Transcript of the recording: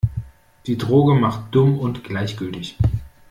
Die Droge macht dumm und gleichgültig.